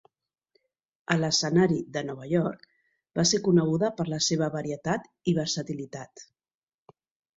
A l'escenari de Nova York, va ser coneguda per la seva varietat i versatilitat.